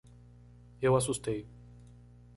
Eu assustei